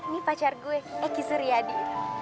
ini pacar gue eki suryadi